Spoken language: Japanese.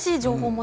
も